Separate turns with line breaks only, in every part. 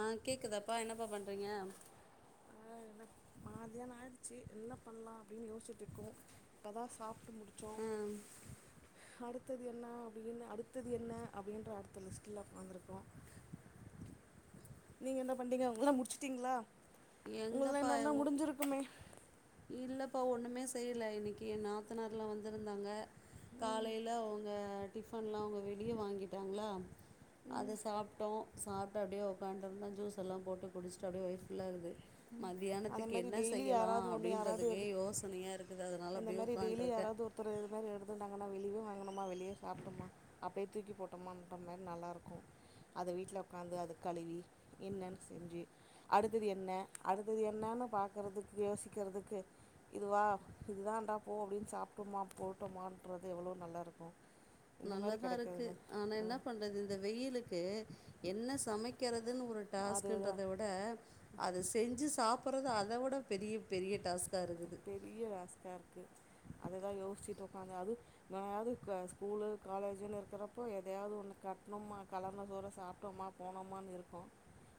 அ கேக்குதாப்பா என்னப்பா பண்றீங்க
மாதியானா ஆயிச்சி என்ன பண்லா அப்டின் யோசிட்டு இருக்கோ இப்பதா சாப் ட்டு முடிச்சோ
ஆ
அடுத் த்தது என்ன அப்டினு அடுத்தது என்ன அப்டின்ற அடுத்த லிஸ்ட்ல உக்காந்துருக்கோ நீங்க என்ன பண்றிங்க உங்கலா முடிச்சிட்டிங்களா உங்கலா
எங்கப்பா
என்னால்லா
ஒ
முடிஞ்சிருக்குமே
இல்லப்பா ஒன்னுமே செய்யல இன்னிக்கி என் நாத்தனார்லா வந்திருந்தாங்க
ம்
காலையில அவுங்க டிஃபன்லா அவுங்க வெளியே வாங்கிட்டாங்ளா அத சாப்டோ சாப்ட்டு அப்டியே உக்கான்டுருந்தோ ஜூஸ் எல்லா போட்டு குடிச்சிட்டு அப்டியே வயிர் ஃபுல்லா இருந்
அதே
மத்தியானத்துக்கு
மாதிரி
என்ன
டெய்லி
செய்யலா
யாராவது
அப்
ஒன்று யாராவது
யோசனையா இருக்குது அதனால அப்டே உக்கான்டு இருக்க
ஒருத்தரு இதமாரி எடுத்துக்கிட்டாங்கனா வெளியவே வாங்கணுமா வெளியே சாப்டோமா அப்டே தூக்கிப் போட்டோமா அந்த மாரி நல்லா இருக்கு அத வீட்ல உக்காந்து அத கழுவி என்னன் செஞ்சி அடுத்தது என்ன அடுத்தது என்னனு பாக்குறதுக்கு யோசிக்கிறதுக்கு இதுவா இதுதான்டா போ அப்டின் சாப்டோமா போட்டோமான்றது எவ்ளோ நல்லா இருக்கு
நல்ல தா இருக்கு ஆனா என்ன பண்றது இந்த வெயிலுக்கு என்ன சமைக்கிறதுன் ஒரு
அதுதான்
டாஸ்க்குன்றத விட அத செஞ்சி சாப்புறத அத விட பெரிய பெரிய டாஸ்கா இருந்தது
பெரிய ஆஸ்கா இருக்கு அததா யோசிச்சுட்டு உக்காந்து அது எதாது ஸ்கூலு காலேஜின்னு இருக்கிறப்போ எதையாவது ஒன்னு கட்னோமா கலர்ன சோறு சாப்டோமா போனோமான்னு இருப்போ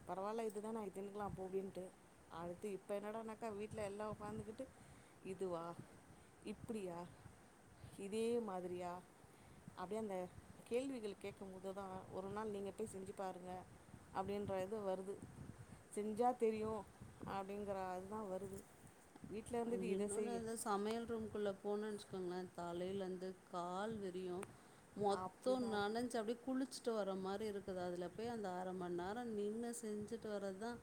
பரவாயில்ல இதுதா இத்தனைக்கெல்லா போவேன்ட்டு அடுத்து இப்போ என்னடானாக்கா வீட்ல எல்லா வந்துக்கிட்டு இதுவா இப்பிடியா இதே மாதிரியா அப்டியே அந்த கேள்விகள் கேட்கும்போது தா ஒரு நாள் நீங்க போய் செஞ்சி பாருங்க அப்டின்ற இது வருது செஞ்சா தெரியு அப்டிங்கற அதுதா வருது வீட்டில் இருந்துட்டு இதை
இன்னொன்னு
செய்
எதா சமையல் ரூம்குள்ள போணுனெனச்சக்கோங்களே தலையிலேருந்து கால் வறியு மொத்தொ
அப்படி தான்
நெனைஞ்சு அப்டி குளிச் விட்டு வர மாரி இருக்குது அதுல போய் அந்த அர மணி நேரம் நின்னு செஞ்சுட்டு வரதான்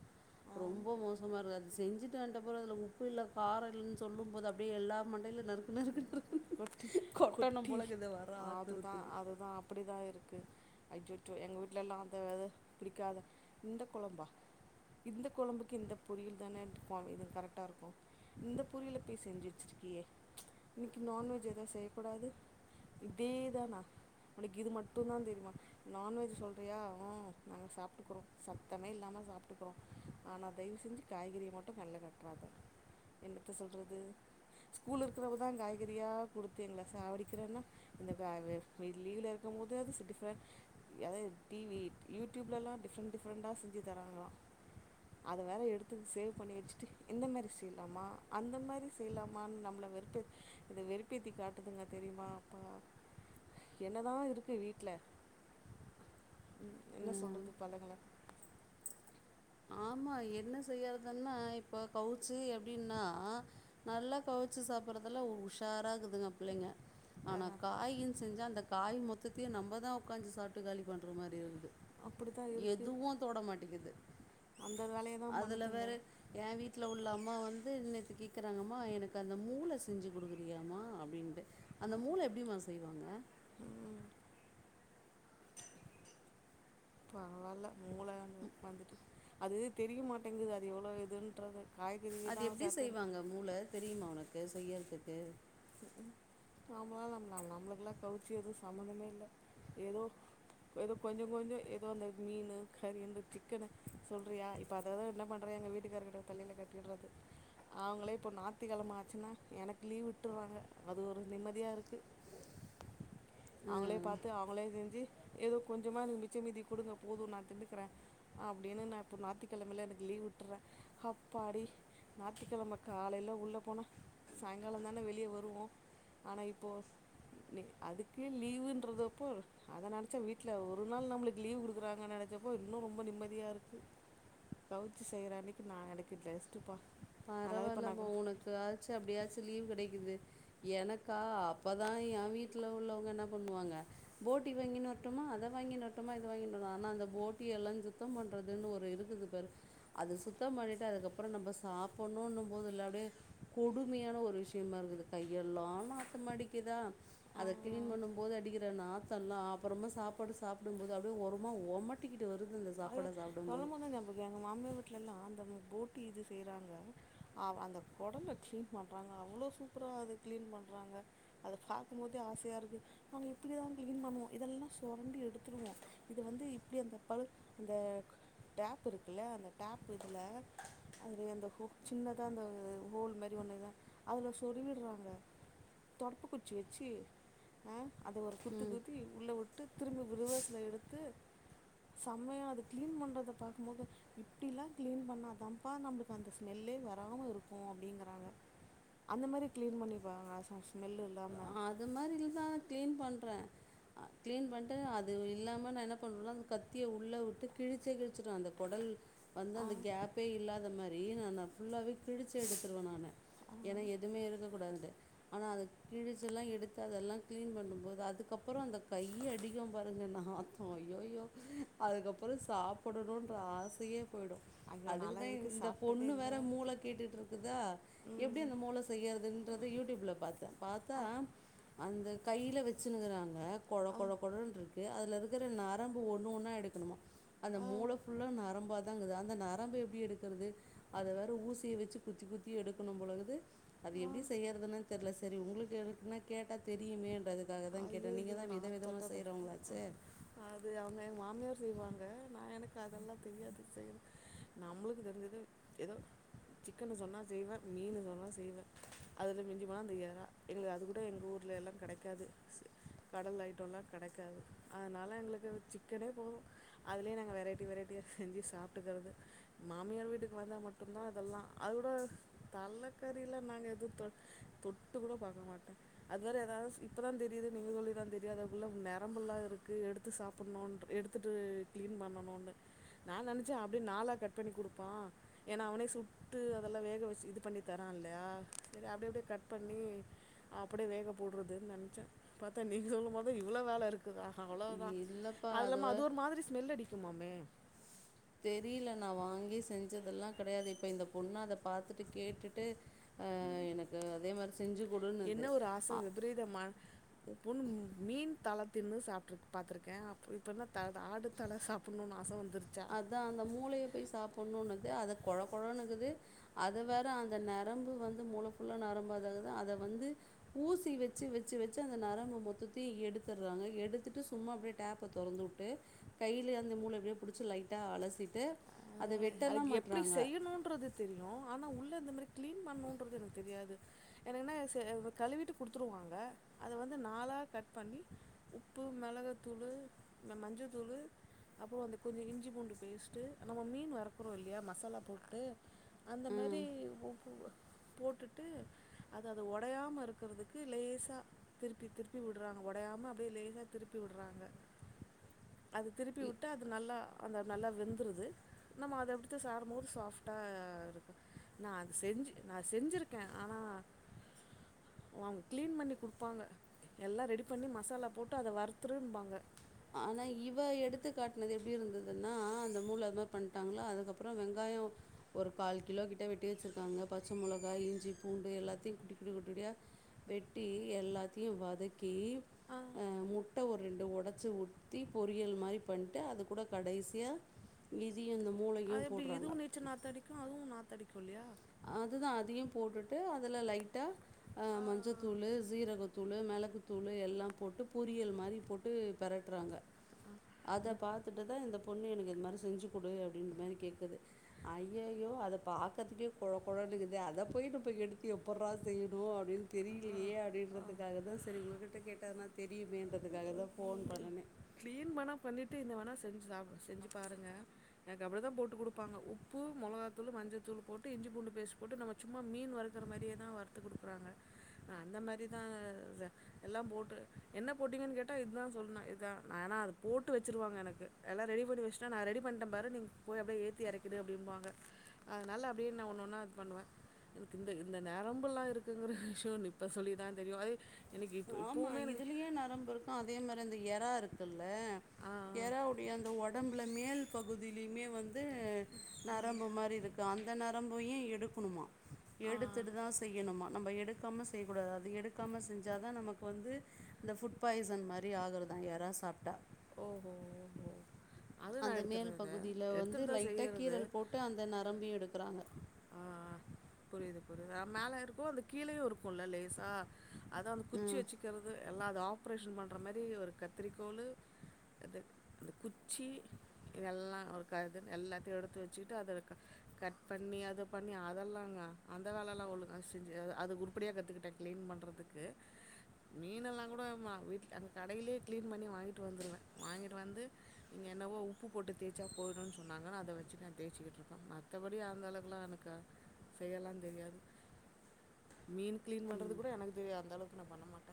ரொம்ப மோசமா இருக்குது அது செஞ்சு தன்ட்ட அப்பறோம்அதுல உப்பு இல்ல காரோம் இல் அப்டின்சொல்லும் மோது அப்டியே எல்லா மண்டையிலும் நறுக்கு நறுக்கு இருக்
கொட்டி குட்டி அது தா
ஆத்திரத்துக்கு
அது தா அப்பிடிதா இருக்கு ஐஜச்சோ எங்க வீட்லலா அந்த பிடிக்காத இந்த கொழம்பா இந்த கொழம்புக்கு இந்த பொரியல் தான இருக்கும் இது கரெக்டா இருக்கோம் இந்தப் புரியல போய் செஞ்சு வச்சிருக்கியே லநான்வெஜ் எது செய்யக்கூடாது இதேதாணா உனக்கு இது மட்டு தா தெரிமா நான்வெஜ் சொல்றியா ம் நாங்க சாப்பிட்டுக்குறோம் சத்தமே இல்லாம சாப்பிட்டுக்குறோம் ஆனா தயவு செஞ்சு காய்கறிய மட்டும் கண்ல காட்டிறாத என்னத்த சொல்றது ஸ்கூல் இருக்கிறவு தான் க்காய் ப்ரியா குடுத்து எங்கள சாவடிக்கிறேன்னா இந்த வ லீவ்ல இருக்கு போதாது சிட்டி [unintelligible] அதா இது டிவி யூடியூப்லல்லா டிஃப்ரெண்ட் டிஃப்ரெண்டா செஞ்சு தராங்களா அத வேற எடுத்து சேவ் பண்ணி வெச்சுட்டு இந்த மாரி செய்லாமா அந்த மாரி செய்லாமானு நம்மள வெறுப் இத வெறுப்பேத்தி காட்டுதுங்க தெரியுமா அப்பா என்னதா இருக்கு வீட்ல ம் என்ன சொல்றது பழங்கள
ஆமா என்ன செய்யறதுன்னா இப்போ கவுச்சு எப்டின்னா நல்லா கவிச்சு சாப்டுறதுல உஷாராக்குதுங்க பிள்ளைங்க ஆனா
அதான்
காயி செஞ்சா அந்த காய் மொத்ததையு நம்ம தா உக்காஞ்சு சாப்ட்டு காலி பண்ற மாரி இருக்குது
அப்படித்தான் இருக்கு
எதுவு தொட மாட்டேக்கிது
அந்த வேலைய தான்
அதுல
பண்ணுதுங்க
வேற என் வீட்ல உள்ள அம்மா வந்து இன்னைத்து கேக்குறாங்கம்மா எனக்கு அந்த மூளை செஞ்சு குடுக்குறியாமா அப்டின்ட்டு அந்த
ம்
மூள எப்டிமா செய்வாங்க
ம் பரவால்ல மூள வந்துட்டு அது தெரிய மாட்டேங்குது அது எவ்ளோ இதுன்றது காய்கறி
அது
தான்
எப்டி
சத்துன்னு
செய்வாங்க மூள தெரியுமா உனக்கு செய்யறதுக்கு
நாம்ளா ந நம்மளுக்கெல்லா கவுச்சு எதுவு சம்பந்தமே இல்ல ஏதோ எதோ கொஞ்சோ கொஞ்சோ எதோ அந்த மீனு கறி இந்த சிக்கனு சொல்றியா இப்ப அததா என்ன பண்ற எங்க வீட்டுக்காரு கிட்ட தலையில கட்டிடுறது அவுங்களே இப்போ நாத்திக்கெழம ஆச்சுன்னா எனக்கு லீவ் விட்டுருவாங்க அது ஒரு நிம்மதியா இருக்கு அவுங்ளே
ம்.
பாத்து அவங்ளே செஞ்சு எதோ கொஞ்சமா எனக்கு மிச்ச மீதி குடுங்க போது நா தின்னுக்கிறே அப்டினு நா இப்போ நாத்திக்கெழமயல எனக்கு லீவ் உட்றே ஹப்பாடி நாத்திக்கெழம காலையில உள்ள போனா சாய்ங்கால தான வெளி ய வருவோ ஆனா இப்போ அதுக்கு லீவுன்றதப்போ அத நெனச்சா வீட்ல ஒரு நாள் நம்மளுக்கு லீவ் குடுக்குறாங்க நெனச்சப்போ இன்னு ரொம்ப நிம்மதியா இருக்கு கவுச்சி செய்ற அன்னைக்கு நா எனக்கு ரெஸ்டுப்பா
பரவால்லமா உனக்கு ஆச்சு அப்டியாச்சு லீவ் கெடைக்குது எனக்கா அப்பதா எ வீட்ல உள்ளவங்க என்ன பண்ணுவாங்க போட்டி வாங்கினு வரட்டுமா அத வாங்கினு வரட்டுமா இத வாங்கி வர ஆனா அந்த போட்டி எல்லா சுத்தம் பண்றதுன்னு ஒரு இ ருக்குது பாரு அது சுத்தம் பண்ணிட்டு அதுக்கப்றோ நம்ம சாப்பணுன்னுபோது இல்ல அப்டியே கொடுமையான ஒரு விஷயமா இருந்தது கையெல்லா நாத்தமா அடிக்குதா அத க்ளீன்
ஆ
பண்ணும்போது அடிக்கிது அந்த நாத்தல்லா அப்பறமா சாப்பாடு சாப்டும்போது அப்டியே ஒரு ஓரமா ஒமட்டிக்கிட்டு வருது இந்த
அயோ சொல்லம் போதா நா எங்க மாமியார் வீட்லல்லா அந்த போட்டி இது செய்றாங்க அவ அந்த குடல்ல க்ளீன் பண்றாங்க அவ்ளோ சூப்பரா அத க்ளீன் பண்றாங்க அத பாக்கும் போதே ஆசையா இருக்கு நம்ம இப்டிதா க்ளீன் பண்ணுவோ இதெல்லா சொரண்டி எடுத்துருவோ இது வந்து இப்டி அந்த பல் இந்த டேப் இருக்குல்ல அந்த டேப் இதுல அதுல அந்த ஹோ சின்னதா இந்த ஹோல் மாரி ஒண்ணுதா அதுல சொறிவிடுறாங்க தொடப்ப குச்சி வச்சு ஆ அத ஒரு குத்தி
ம்
குத்தி உள்ள உட்டு திரும்பி ரிவஸ்ல எடுத்து உம்மையா அத க்ளீன் பண்றத பாக்குபோது இப்டிலா க்ளீன் பண்ணாதப்பா நம்மளுக்கு அந்த ஸ்மெல்லே வராம இருக்கு அப்டிங்கறாங்க அந்த மாரி க்ளீன் பண்ணிப்பாங்க ஸ்மெல்லு இல்லாம
அது மாதிரில தா க்ளீன் பண்றே ஹ கிளீன் பண்ணிட்டு அது இல்லாம நா என்ன பண்ணுவேணா கத்திய உள்ள விட்டு கிழிச்சே கிழிச்சடுவே அந்த கொடல் வந்து
ஆ
அந்த கேப்பே இல்லாத மாரி நா ஃபுல்லாவே கிழிச்சு எடுத்துருவே நானு ஏன்னா எதுமே இருக்க கூடாது ஆனா அது கிழிசெல்லா எடுத்து அதெல்லா க்ளீன் பண்ணும்போது அதுக்கப்பறோ அந்த கைய அடிக்கு பாருங்க நாத்தோ ஐயோயோ அதுக்கப்பறோ சாப்புடணும்ன்ற ஆசையே போயிடு
ஐயோ நாலா
அதுக்குதா
இது வரைக்கு
இந்த
சாப்ட்டதே
பொண்ணு
இல்ல
வேற மூள கேட்டுட்டு இருக்குதா எப்டி
ம்
அந்த மூள செய்யறதுன்றத யூடியூப்ல பாத்தே பாத்தா அந்த கையில வச்சுனுக்குறாங்க கொழ
ஆ
கொழ கொழன்னு இருக்கு அதுல இருக்கிற நரம்பு ஒண்ணு ஒன்னா எடுக்கணும்மா அந்த
ஆ
மூள ஃபுல்லா நரம்பாத தங்குது அந்த நரம்பு எப்டி எடுக்குறது அத வேற ஊசிய வச்சு குத்தி குத்தி எடுக்கணு போல இருக்குது அது
ஆ
எப்டி செய்யறதுன்னு தெர்ல செரி உங்களுக்கு எதுக்குமே கேட்டா தெரியுமேன்றது அதுக்காக தா கேட்டே நீங்க
ஐயையோ
தா வித
நான்
விதமா
தொட்டது
செய்றவங்களாச்சே
அது அவங்க எ மாமியார் செய்வாங்க நா எனக்கு அதெல்லா தெரியாது செய்யறது நம்மளுக்கு தெரிஞ்சது ஏதோ சிக்கன்னு சொன்னா செய்வே மீன் சொன்னா செய்வே அதில மிஞ்சி போன அந்த ஏரா இல்ல அதுகூட எங்களுக்கு அது கூட எங்க ஊர்ல எல்லா கெடைக்காது கடல் ஐட்டோலா கெடைக்காது அதனால எங்களுக்கு சிக்கனே போது அதுலே நாங்க வெரைட்டி வெரைட்டியா செஞ்சு சாப்ட்டுக்கறது மாமியார் வீட்டுக்கு வந்தா மட்டு தா இதெல்லா அத ஓட தலக்கறிலா நாங்க எதுவு தொட் தொட்டு கூட பாக்க மாட்டே அது வேற ஏதாவது இப்ப தா தெரியுது நீங்க சொல்லி தா தெரியு அதக்குள்ள நரம்பெலா இருக்கு எடுத்து சாப்பிட்ணுன்ற எடுத்துட்டு கிளீன் பண்ணனும்னு நா நெனச்சே அப்டியே நாளா கட் பண்ணி கொடுப்பா ஏன்னா அவனே சுட்டு அதெல்லா வேக வச்சு இது பண்ணி தரா இல்லையா செரி அப்டி அப்டியே கட் பண்ணி அப்டியே வேக போடுறதுன்னு நெனைச்சே பாத்தா நீங்க சொல்லு போதுதா இவ்ளோ வேல இருக்குதா அவ்ளவுதா அது இல்லாம அது ஒரு மாதிரி ஸ்மெல் அடிக்குமாமே
தெரியல நா வாங்கி செஞ்சதெல்லா கெடையாது இப்ப இந்த பொண்ணு அத பாத்துட்டு கேட்டுட்டு ஆ எனக்கு அதே மாதிரி செஞ்சு கொடுனுது
சா விபரீதம பொண்ணு மீன் தலத்தின்னு சாப்டு பா்த்தருக்கே இப்ப என்ன ஆடு தல சாப்பிடணும்னு ஆச வந்துறு
அதா அந்த மூளைய போய் சாப்பிட்ணுன்னுது அத கொழ கொழன்னுக்குது அத வேற அந்த நரம்பு வந்து மூள ஃபுல்லா நரம்பாதது அத வந்து ஊசி வச்சு வச்சு வச்சு அந்த நரம்பு மொத்தத்தயு எடுத்துடுறாங்க எடுத்துட்டு சும்மா அப்டியே டேப்ப தொறந்துவிட்டு கையிலேந்த மூளை எப்டியே பிடிச்சி லைட்டா அலசிட்டு அத வெட்டெல்லா மாட்றாங்க
றது தெரியு ஆனா உள்ள இந்த மாதிரி கிளீன் பண்ணணும்ன்றது எனக்கு தெரியாது எனக்குன்னா செ கழுவிட்டு கொடுத்துருவாங்க அத வந்து நாலா கட் பண்ணி உப்பு மெளகத்தூளு மஞ்சதூளு அப்பறோ அந்த கொஞ்சோ இஞ்சி பூண்டு பேஸ்ட்டு நம்ம மீன் வர க்குறோ இல்லியா மசாலா போட்டு அந்த மாரி
ம்.
உப்பு போட்டுட்டு அது அத ஒடையாம இருக்கிறதுக்கு லேசா திருப்பி திருப்பி வுடுறாங்க ஒடையாம அப்டியே லேசா திருப்பி வுடுறாங்க அது திருப்பி
இ-
வுட்டு அது நல்லா அந்த நல்லா வெந்துடுது நம்ம அத எடுத்து சாப்டும்போது சாஃப்ட்டா இருக்கு நா அது செஞ்சு நா செஞ்சுருக்கே ஆனா வாங் கிளீன் பண்ணி குடுப்பாங்க எல்லா ரெடி பண்ணி மசாலா போட்டு அத வறுத்துரும்பாங்க
ஆனா இவ எடுத்து காட்டுனது எப்டி இருந்துதுன்னா அந்த மூள அது மாரி பண்ட்டாங்களா அதுக்கப்றோ வெங்காயோ ஒரு கால் கிலோ கிட்ட வெட்டி வெச்சிருக்காங்க பச்ச மொளகா இஞ்சி பூண்டு எல்லாத்தையு குட்டி குட்டி குட்டி குட்டியா வெட்டி எல்லாத்தையு வதக்கி
ஆ
அ முட்ட ஒரு ரெண்ட ஒட ச்சு ஊத்தி பொரியல் மாரி பண்ட்டு அது கூட கடைசியா இதியு இந்த மூளை யு போடுறாங்க
ச்சு நாத்த அடிக்கு அதுவு நாத்த அடிக்கு இல்லியா
அதுதா அதியு போட்டுட்டு அதுல லைட்டா ஆ மஞ்சத்தூளு சீரகத் தூளு மெளகுத்தூளு எல்லா போட்டு பொரியல் மாரி போட்டு பெரட்றாங்க அத
முட்
பாத்துட்டுதா இந்தப் பொண்ணு எனக்கு இது மாரி செஞ்சு குடு அப்டின்ற மாரி கேட்குது ஐய்யயோ அத பாக்கதுக்கே கொழ கொழனு இக்கிது அத போய் நம்ப எடுத்து எப்பட்றா செய்யுணு அப்டின்னு
ஆ
தெரியிலியே அப்டின்ற
ஆ
அதுக்காகதா சரி உங்ககிட்ட கேட்டனா தெரியுமேன்றதுக்காகதா போன் பண்ணுனே
கிளீன் பேணா பண்ணிட்டு இந்த வேணா செஞ்சு சாப்டு செஞ்சு பாருங்க எனக்கு அப்டி தா போட்டு குடுப்பாங்க உப்பு மொளகாத்தூளு மஞ்சத்தூளு போட்டு இஞ்சி பூண்டு பேஸ்ட் போட்டு நம்ம சும்மா மீன் வறுக்குற மாரியே தா வறுத்து குடுக்றாங்க அந்த மாரிதா ச எல்லா போட்டு போட்டிங்கன்னு கேட்டா இதுதா சொன்ன இதுதா நா ஆனா அது போட்டு வச்சுருவாங்க எனக்கு எல்லா ரெடிபண்ணி வச்சுட்டா நா ரெடி பண்ணிட்டே பாரு நீ போய் அப்டியே ஏத்தி எறக்கிடு அப்டிம்பாங்க அதனால அப்டின்னு நா ஒன்னொன்னா இது பண்ணுவே எனக்கு இந்த இந்த நெரம்புல்லா இருக்குங்கிற விஷியோ இப்போ சொல்லிதா தெரியு அதே
ஆமா இதுலயே நரம்பு இருக் கு அதே மாரி அந்த எறா இருக்குல்ல
ஆ
எறாவுடைய அந்த ஒ டம்புல மேல் பகுதியிலியுமே வந்து நரம்பு மாரி இருக் கு அந்த நரம்பையு எடுக்கணுமா
ஆ ஆ
எடுத்துட்டு தா செய்யணுமா நம்ம எடுக்காம செய்ய கூடாது அத எடுக்காம செஞ் சாதா நமக்கு வந்து இந்த ஃபுட் பாய்சன் மாரி ஆகுறதா எறா சாப்ட்டா
ஓஹோ ஓஹோ அது நான்
அந்த மேல்
எடுத்துடுறது.
பகுதியில வந்து
எடுத்துட்டு தான்
லைட்டா
செய்யறது.
கீரல் போட்டு அந்த நரம்பயு எடுக்குறாங்க
ஆ புரியுது புரியுது ஆ மேல இருக்கு அந்த கீழயு இருக்கும்ல லேசா அத அந்த குச்சி
ம்
வச்சி க்கிறது எல்லா அது ஆப்ரேஷன் பண்ற மாரி ஒரு கத்ரிக்கோளு அது அந்த குச்சி இதெல்லா ஒக்காந்துனு எல்லாத்தையு எடுத்து வச்சுட்டு அத க கட் பண்ணி அத பண்ணி அதெல்லா [unintelligible] அந்த வேலலா ஒழுங்கா செஞ்சி அத அத உருப்படியா கத்துக்கிட்டே கிளீன் பண்றதுக்கு மீனலா கூட மா வீட்ல அங்க கடையிலியே கிளீன் பண்ணி வாங்கிட்டு வந்துருவே வாங்கிட்டு வந்து இங்க என்னவோ உப்பு போட்டு தேய்ச்சா போய்டுனு சொன்னாங்க நா அத வச்சு நா தேய்ச்சிகிட்டு இருக்கே மத்தபடி அந்தளவுகுலா எனக்கு செய்யலா தெரியாது மீன் கிளீன் பண்றது
ம்
கூட எனக்கு தெரியாது அந்த அளவுக்கு நா பண்ண மாட்டே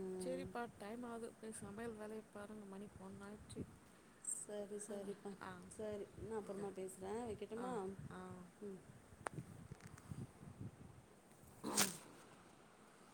ம்
சேரிப்பா டைம் ஆகுது போய் சமையல் வேலய பாருங்க மணி ஒன் ஆய்டுச்சு
சரி சரிப்பா சரி நா
ஓகே
அப்பறமா பேசுறே
ஆ
வெக்கட்டுமா
ஆ